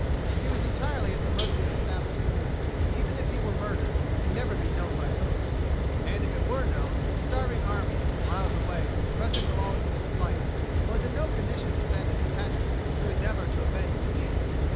He was entirely at the mercy of the savages Even if he were murdered, it would never be known by whom. And if it were known, the starving army, miles away, pressing along in its flight, was in no condition to send a detachment to endeavor to avenge the deed.